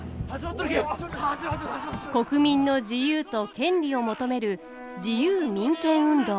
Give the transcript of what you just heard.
国民の自由と権利を求める自由民権運動。